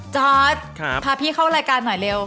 จอร์ดพาพี่เข้ารายการหน่อยเร็ว